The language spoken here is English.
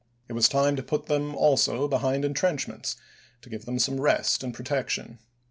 It was time to put them also behind intrenchments, to give them some rest and protection.